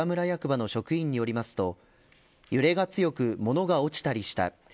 役場の職員によりますと揺れが強く物が落ちたりした。